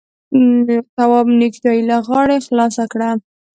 تواب نېکټايي له غاړې خلاصه کړه.